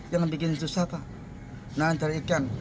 jangan bikin susah pak nalayan cari ikan